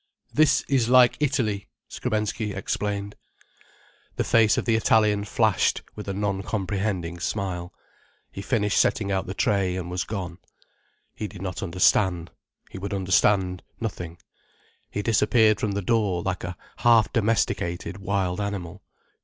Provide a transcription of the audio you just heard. "This is like Italy," Skrebensky explained. The face of the Italian flashed with a non comprehending smile, he finished setting out the tray, and was gone. He did not understand: he would understand nothing: he disappeared from the door like a half domesticated wild animal.